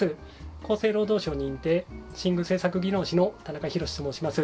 厚生労働省認定寝具製作技能士の田中啓之と申します。